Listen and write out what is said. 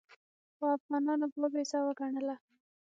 خو افغانانو بابیزه وګڼله.